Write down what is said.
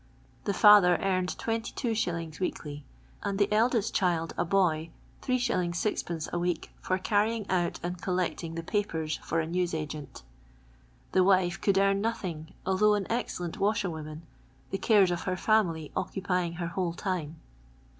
The ifather earned 229. wcrkly, and the eldest child, a boy, 3^. 6d. a week for carrying out and collecting the papers for a news' ngent The wife could earn nothing, aithongh an excellent washerwoman, the cares of her family occupying her whole time.